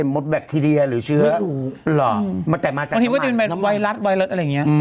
เจ็มมดแบคทีเรียหรือเชื้อไม่รู้หรอมันแต่มาจากไหนไวรัสไวรัสอะไรอย่างเงี้ย